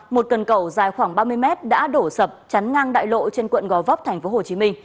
một cần cầu dài khoảng ba mươi mét đã đổ sập chắn ngang đại lộ trên quận gò vấp tp hcm